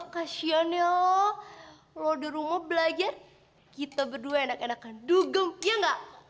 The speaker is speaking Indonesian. kasian ya lo lo udah rumah belajar kita berdua enak enakan dugung ya nggak